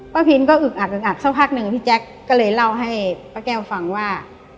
พินก็อึกอักอึกอักสักพักหนึ่งพี่แจ๊คก็เลยเล่าให้ป้าแก้วฟังว่า